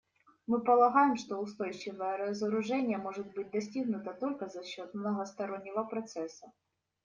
Мы полагаем, что устойчивое разоружение может быть достигнуто только за счет многостороннего процесса.